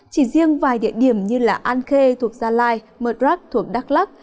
chỉ riêng vài địa điểm như an khê thuộc gia lai mật rắc thuộc đắk lắc